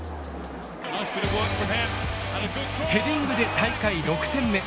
ヘディングで大会６点目。